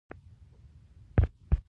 د خاورې ترکیب د مختلفو سایزونو لرونکی وي